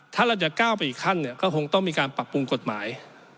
ถ้าเราจะก้าวไปอีกขั้นเนี่ยก็คงต้องมีการปรับปรุงกฎหมาย